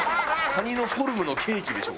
蟹のフォルムのケーキでしょ